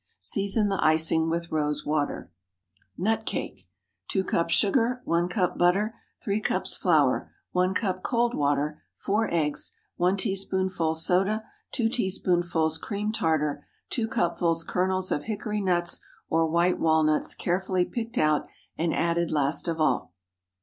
Season the icing with rose water. NUT CAKE. ✠ 2 cups sugar. 1 cup butter. 3 cups flour. 1 cup cold water. 4 eggs. 1 teaspoonful soda. 2 teaspoonfuls cream tartar. 2 cupfuls kernels of hickory nuts or white walnuts, carefully picked out, and added last of all.